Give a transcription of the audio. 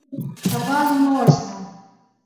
کبان مه وژنه.